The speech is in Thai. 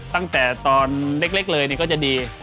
ตั้งแต่ตอนเล็กเลยก็จะดี